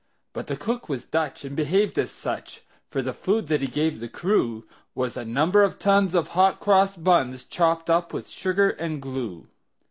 But the cook was Dutch, and behaved as such; For the food that he gave the crew Was a number of tons of hot cross buns, Chopped up with sugar and glue.